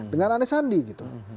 dengan anis andi gitu